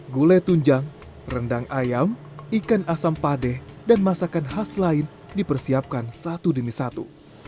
gulai tunjang rendang ayam ikan asam padeh dan masakan khas lain dipersiapkan satu demi satu